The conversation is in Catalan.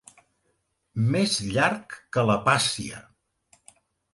Més llarg que la Pàssia.